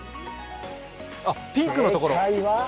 あっ、ピンクのところ？